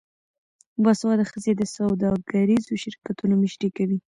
باسواده ښځې د سوداګریزو شرکتونو مشري کوي.